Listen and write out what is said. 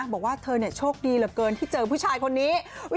บอกว่าเธอโชคดีเหลือเกินที่เจอผู้ชายคนนี้